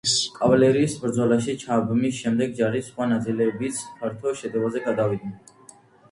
კავალერიის ბრძოლაში ჩაბმის შემდეგ ჯარის სხვა ნაწილებიც ფართო შეტევაზე გადავიდნენ.